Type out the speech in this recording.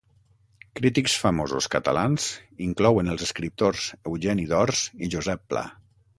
Crítics famosos catalans inclouen els escriptors Eugeni d'Ors i Josep Pla.